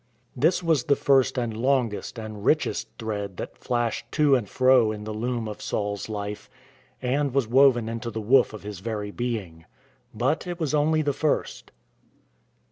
This was the first and longest and richest thread that flashed to and fro in the loom of Saul's life, and was woven into the woof of his very being. But it was only the first.